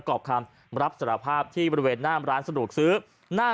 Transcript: ครับที่ปวกแดงอ่ะ